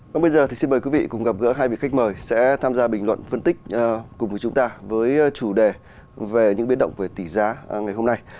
còn bây giờ thì xin mời quý vị cùng gặp gỡ hai vị khách mời sẽ tham gia bình luận phân tích cùng với chúng ta với chủ đề về những biến động về tỷ giá ngày hôm nay